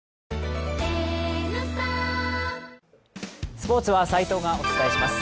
スポーツは齋藤がお伝えします。